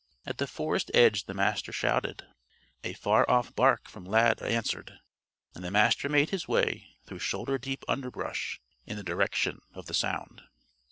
At the forest edge the Master shouted. A far off bark from Lad answered. And the Master made his way through shoulder deep underbrush in the direction of the sound.